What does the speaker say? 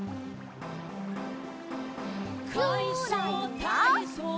「かいそうたいそう」